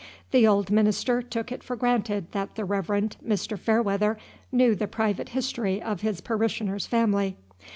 The old minister took it for granted that the Reverend Mr. Fairweather knew the private history of his parishioner's family.